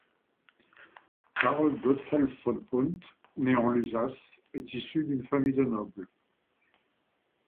Karl Gotthelf von Hund né en Lusace est issue d'une famille de nobles.